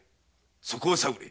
そこを探れ。